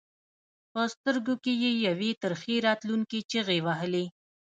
په سترګو کې یې یوې ترخې راتلونکې چغې وهلې.